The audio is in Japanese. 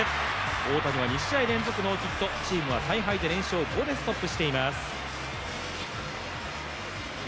大谷は２試合連続ノーヒット、チームは大敗で連勝５でストップしています。